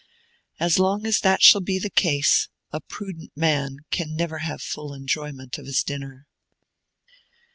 As long as that shall be the case, a prudent man can never have full enjoyment of his dinner.